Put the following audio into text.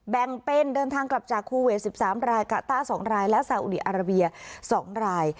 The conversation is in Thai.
แบ่งเป็นเดินทางกลับจากคูเวสสิบสามรายกะตาสองรายและสาวุดีอาราเบียสองราย